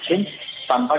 sebagai suatu yang kita usung